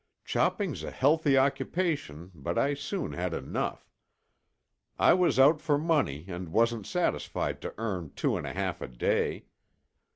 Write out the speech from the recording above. "Chopping's a healthy occupation, but I soon had enough. I was out for money and wasn't satisfied to earn two and a half a day.